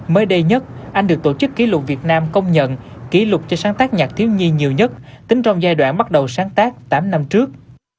mới đây nhất anh được tổ chức kỷ lục việt nam công nhận kỷ lục cho sáng tác nhạc thiếu nhi nhiều nhất tính trong giai đoạn bắt đầu sáng tác tám năm trước